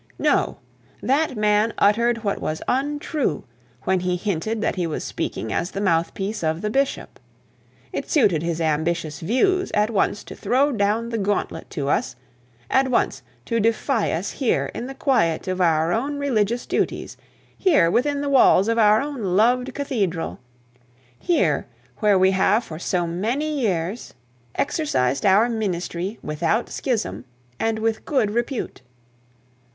No! That man uttered what was untrue when he hinted that he was speaking as the mouthpiece of the bishop. It suited his ambitious views at once to throw down the gauntlet to us here within the walls of our own loved cathedral here where we have for so many years exercised our ministry, without schism and with good repute.